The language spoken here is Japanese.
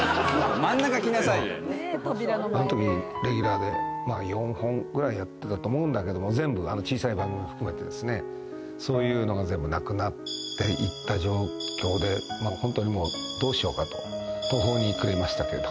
あのときレギュラーで４本ぐらいやってたと思うんだけども全部小さい番組含めてですねそういうのが全部なくなっていった状況でほんとにもうどうしようかと途方に暮れましたけど。